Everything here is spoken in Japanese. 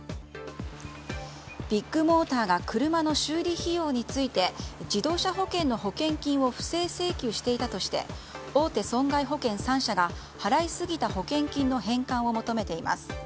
ビッグモーターが車の修理費用について自動車保険の保険金を不正請求していたとして大手損害保険３社が払いすぎた保険金の返還を求めています。